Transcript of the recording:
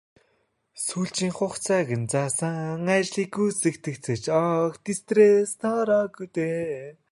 Сүүлчийн хугацааг нь заасан ажлыг гүйцэтгэхдээ ч огт стресст ордоггүй.